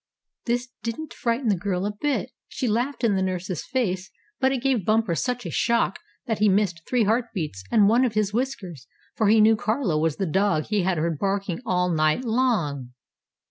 This didn't frighten the girl a bit, and she laughed in the nurse's face; but it gave Bumper such a shock that he missed three heart beats and one of his whiskers, for he knew Carlo was the dog he had heard barking all night long.